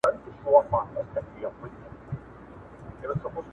او د خدای او د خدای رسول